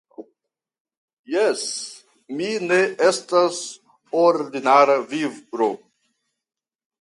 Jes, mi ne estas ordinara viro.